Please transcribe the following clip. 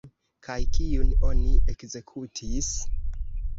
Kaj kiun oni ekzekutis?